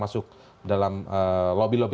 masuk dalam lobby lobby